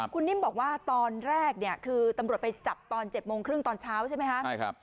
คุณนิ่มบอกว่าตอนแรกเนี่ยคือตำรวจไปจับตอน๗โมงครึ่งตอนเช้าใช่ไหมคะ